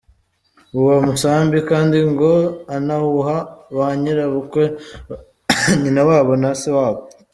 Uwo musambi kandi ngo anawuha ba nyirabukwe, ba nyinawabo na sewabo.